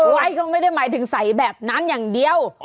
ไว้ก็ไม่ได้หมายถึงใสแบบนั้นอย่างเดียว